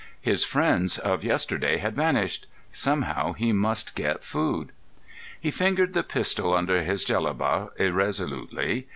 His friends of yesterday had vanished. Somehow he must get food. He fingered the pistol under his jellaba irresolutely.